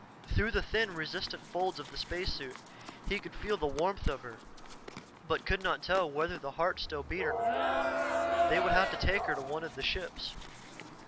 Through the thin, resistant folds of the spacesuit, he could feel the warmth of her, but could not tell whether the heart still beat or not. They would have to take her to one of the ships.